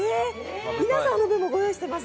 皆さんの分もご用意しています。